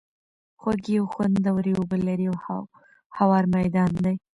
خوږې او خوندوَري اوبه لري، او هوار ميدان دی